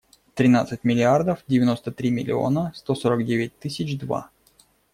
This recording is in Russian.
Тринадцать миллиардов девяносто три миллиона сто сорок девять тысяч два.